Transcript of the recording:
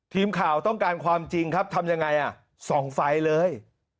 ทีมข่าวต้องการความจริงครับทำยังไงอ่ะส่องไฟเลย